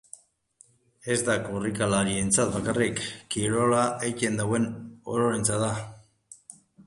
Ez da korrikalarientzat bakarrik, kirola egiten duen ororentzat da.